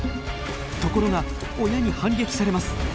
ところが親に反撃されます。